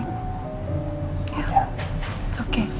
ya tidak apa apa